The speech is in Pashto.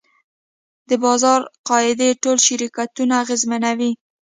د بازار قاعدې ټول شرکتونه اغېزمنوي.